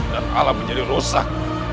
dan alam menjadi rusak